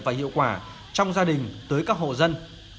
và hiệu quả trong gia đình tới các hộ dân